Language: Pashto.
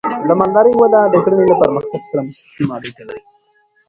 د مالدارۍ وده د کرنې له پرمختګ سره مستقیمه اړیکه لري.